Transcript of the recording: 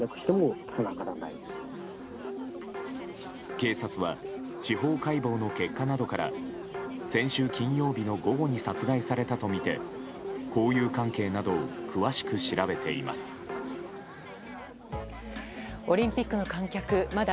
警察は司法解剖の結果などから先週金曜日の午後に殺害されたとみて交友関係などを詳しく調べています。